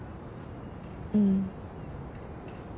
うん。